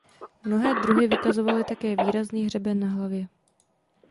Mnohé druhy vykazovaly také výrazný hřeben na hlavě.